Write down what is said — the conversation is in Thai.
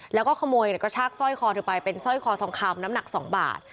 แล้วก็ขโมยกระชากสร้อยคอเธอไปเป็นสร้อยคอทองคำน้ำหนัก๒บาท